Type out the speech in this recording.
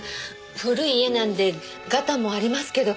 古い家なんでガタもありますけど。